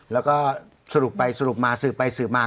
แล้วก็สรุปไปสรุปมาสืบไปสืบมา